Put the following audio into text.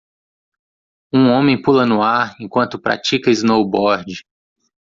Um homem pula no ar enquanto pratica snowboard.